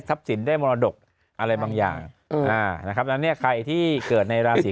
ทรัพย์สินได้มรดกอะไรบางอย่างนะนี้ใครที่เกิดในราศี